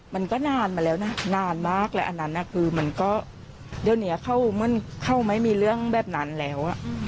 มันก็นานมาแล้วนะนานมากเลยอันนั้นคือมันก็เดี๋ยวนี้เข้ามันเข้าไม่มีเรื่องแบบนั้นแล้ว